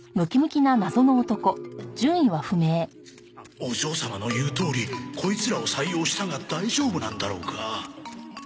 お嬢様の言うとおりコイツらを採用したが大丈夫なんだろうか